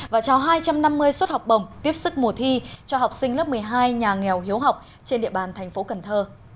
và trao hai trăm năm mươi xuất học bổng tiếp sức mùa thi cho học sinh lớp một mươi hai nhà nghèo hiếu học trên địa bàn tp cnh